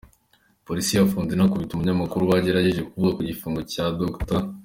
Polisi yafunze inakubita abanyamakuru bagerageje kuvuga ku gifungo cya Dr.